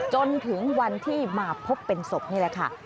จนถึงวันที่มาพบเป็นศพนี่แหละค่ะ